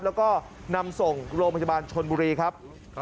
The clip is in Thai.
แล้วก็นำส่งโรงพยาบาลชนบุรีครับ